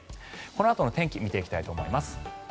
このあとの天気を見ていきたいと思います。